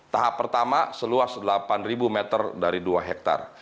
tahap pertama seluas delapan meter dari dua hektare